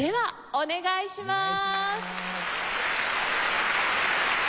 お願いします。